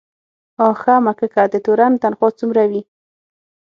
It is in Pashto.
آ ښه مککه، د تورن تنخواه څومره وي؟